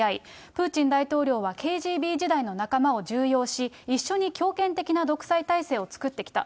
プーチン大統領はＫＧＢ時代の仲間を重用し、一緒に強権的な独裁体制を作ってきた。